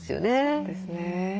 そうですね。